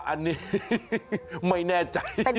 อันนี้ไม่แน่ใจ